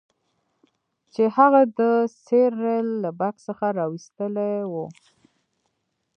چې هغه د سیریل له بکس څخه راویستلی و